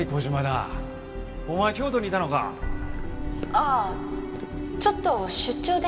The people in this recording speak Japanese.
ああちょっと出張で。